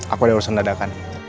aku ada urusan dadakan